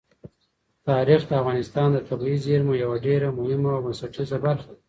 تاریخ د افغانستان د طبیعي زیرمو یوه ډېره مهمه او بنسټیزه برخه ده.